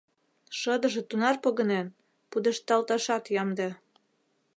Шыдыже тунар погынен — пудешталташат ямде.